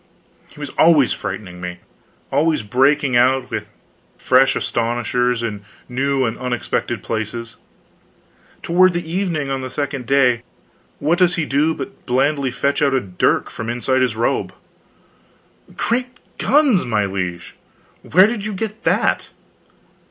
He was always frightening me, always breaking out with fresh astonishers, in new and unexpected places. Toward evening on the second day, what does he do but blandly fetch out a dirk from inside his robe! "Great guns, my liege, where did you get that?"